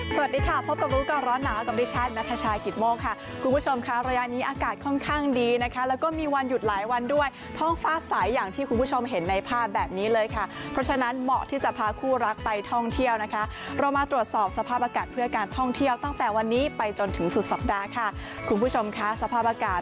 สวัสดีค่ะพบกับรู้ก่อนร้อนหนาวกับดิฉันนัทชายกิตโมกค่ะคุณผู้ชมค่ะระยะนี้อากาศค่อนข้างดีนะคะแล้วก็มีวันหยุดหลายวันด้วยท้องฟ้าสายอย่างที่คุณผู้ชมเห็นในภาพแบบนี้เลยค่ะเพราะฉะนั้นเหมาะที่จะพาคู่รักไปท่องเที่ยวนะคะเรามาตรวจสอบสภาพอากาศเพื่อการท่องเที่ยวตั้งแต่วันนี้ไปจนถึงสุดสัปดาห์ค่ะคุณผู้ชมค่ะสภาพอากาศ